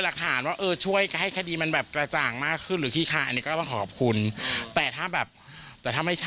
หลักฐานว่าช่วยให้คดีมันกระจ่างมากขึ้นหรือขี้คา